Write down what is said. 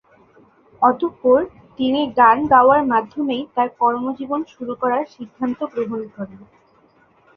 অতঃপর তিনি গান গাওয়ার মাধ্যমেই তার কর্মজীবন শুরু করার সিদ্ধান্ত গ্রহণ করেন।